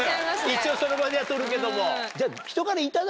一応その場では撮るけども。